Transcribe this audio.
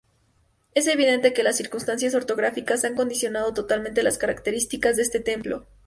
Es evidente que las circunstancias orográficas han condicionado totalmente las características de este templo.